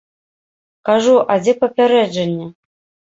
Кажу, а дзе папярэджанне?